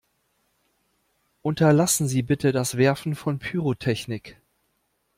Unterlassen Sie bitte das Werfen von Pyrotechnik!